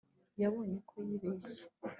yabonye ko yibeshye